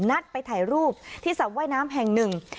นัดไปถ่ายรูปที่สระว่ายน้ำแห่งหนึ่ง